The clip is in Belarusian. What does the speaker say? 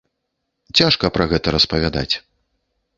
Цяжка пра гэта распавядаць.